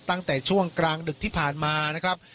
ตั้งแต่ช่วงกลางดึกที่ผ่านมานะครับ